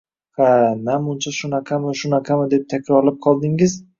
Ha, namuncha “shunaqami”, “shunaqami” deb takrorlab qoldingiz!